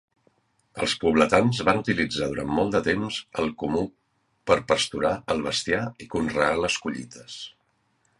Els pobletans van utilitzar durant molt de temps el comú per pasturar el bestiar i conrear les collites.